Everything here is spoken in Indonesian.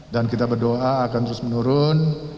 dan kita berdoa akan terus menurun